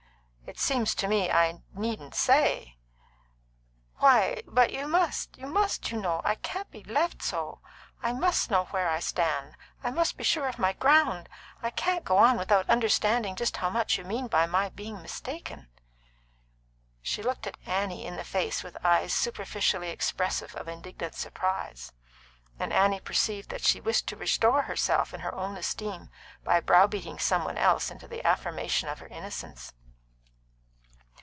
"It seems to me that I needn't say." "Why, but you must! You must, you know. I can't be left so! I must know where I stand! I must be sure of my ground! I can't go on without understanding just how much you mean by my being mistaken." She looked Annie in the face with eyes superficially expressive of indignant surprise, and Annie perceived that she wished to restore herself in her own esteem by browbeating some one else into the affirmation of her innocence.